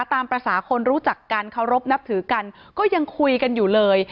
ตามภาษาคนรู้จักกันเคารพนับถือกันก็ยังคุยกันอยู่เลย